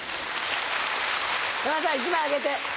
山田さん１枚あげて。